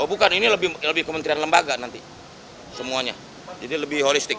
oh bukan ini lebih kementerian lembaga nanti semuanya jadi lebih holistik